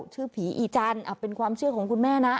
ชื่อผีอีจันทร์เป็นความเชื่อของคุณแม่นะ